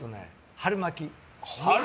春巻き？